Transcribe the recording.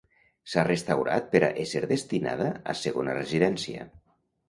S'ha restaurat per a ésser destinada a segona residència.